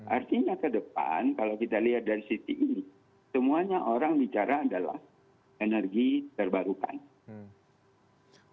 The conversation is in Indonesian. artinya ke depan kalau kita lihat dari sisi ini semuanya orang bicara adalah energi terbarukan